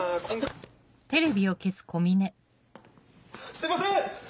すいません！